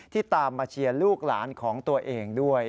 ตามมาเชียร์ลูกหลานของตัวเองด้วย